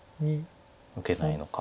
受けないのか。